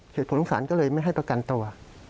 เผ็ดผลขังศาลก็เลยไม่ให้ประกันตัว